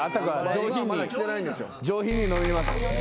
上品に飲みます。